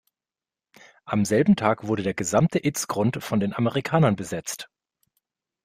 Am selben Tag wurde der gesamte Itzgrund von den Amerikanern besetzt.